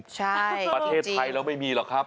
ใช่จริงประเทศไทยแล้วไม่มีหรอกครับ